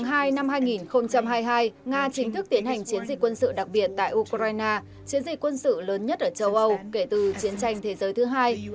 ngày hai mươi bốn tháng hai năm hai nghìn hai mươi hai nga chính thức tiến hành chiến dịch quân sự đặc biệt tại ukraine chiến dịch quân sự lớn nhất ở châu âu kể từ chiến tranh thế giới thứ hai